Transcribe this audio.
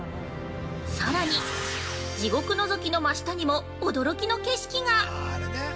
◆さらに、地獄のぞきの真下にも、驚きの景色が。